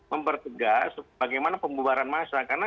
mempertegas bagaimana pembubaran masyarakat